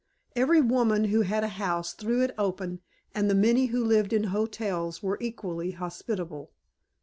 Every woman who had a house threw it open and the many that lived in hotels were equally hospitable.